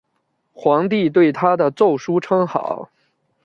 皇帝对他的奏疏称好。